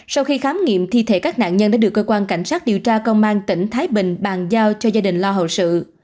sau khi khám nghiệm thi thể các nạn nhân đã được cơ quan cảnh sát điều tra công an tỉnh thái bình bàn giao cho gia đình lo hậu sự